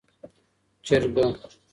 چرګه 🐓